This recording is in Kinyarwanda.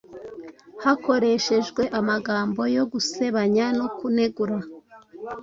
Hakoreshejwe amagambo yo gusebanya no kunegura,